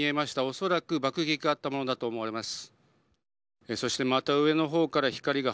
恐らく、爆撃があったものだと思われます。